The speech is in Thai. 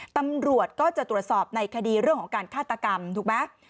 ตำรวจก็จะตรวจสอบในคดีเรื่องของการฆาตกรรมถูกไหม